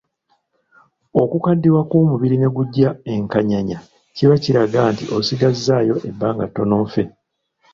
Okukaddiwa kw’omubiri ne gujja enkanyanya kiba kiraga nti osigazzaayo ebbanga ttono ofe.